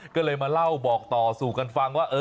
ก็เลยมาเล่าบอกต่อสู่กันฟังว่า